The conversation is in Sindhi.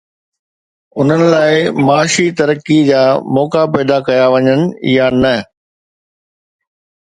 انهن لاءِ معاشي ترقي جا موقعا پيدا ڪيا وڃن يا نه؟